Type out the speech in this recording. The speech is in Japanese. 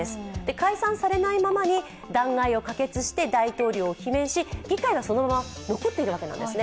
解散されないままに弾劾を可決して大統領を罷免し議会はそのまま残っているわけなんですね。